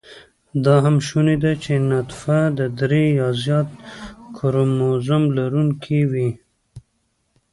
دا هم شونې ده چې نطفه د درې يا زیات x کروموزم لرونېکې وي